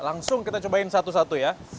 langsung kita cobain satu satu ya